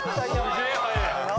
すげえ早え。